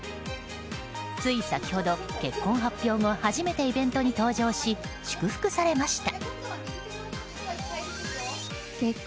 つい先ほど、結婚発表後初めてイベントに登場し祝福されました。